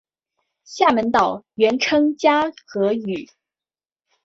厦门岛原称嘉禾屿。